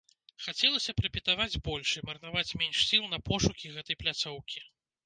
Хацелася б рэпетаваць больш і марнаваць менш сіл на пошукі гэтай пляцоўкі.